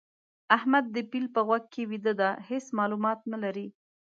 احمد د پيل په غوږ کې ويده دی؛ هيڅ مالومات نه لري.